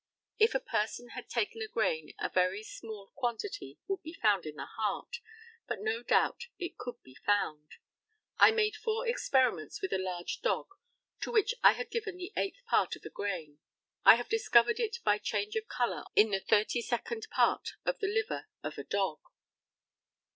If a person had taken a grain a very small quantity would be found in the heart, but no doubt it could be found. I made four experiments with a large dog to which I had given the eighth part of a grain. I have discovered it by change of colour in the 32d part of the liver of a dog.